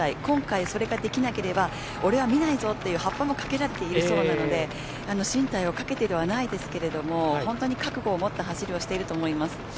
今回、それができなければ俺は見ないぞっていう発破もかけられているそうなので進退をかけてではないですけれども本当に覚悟を持った走りをしていると思います。